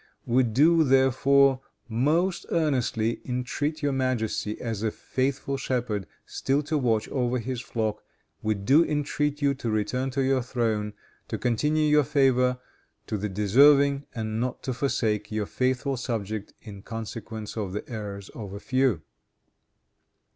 We do therefore most earnestly entreat your majesty, as a faithful shepherd, still to watch over his flock; we do entreat you to return to your throne, to continue your favor to the deserving, and not to forsake your faithful subjects in consequence of the errors of a few."